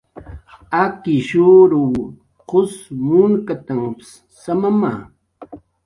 Akishrw qus munkatanh samama